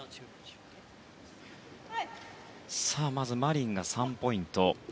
まずマリンが３ポイント。